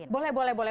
boleh boleh boleh